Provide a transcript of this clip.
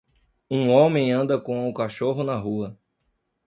um homem anda com o cachorro na rua.